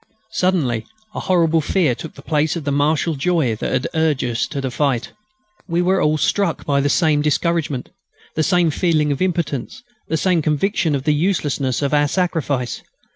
Suddenly a horrible fear took the place of the martial joy that had urged us to the fight. We were all struck by the same discouragement, the same feeling of impotence, the same conviction of the uselessness of our sacrifice.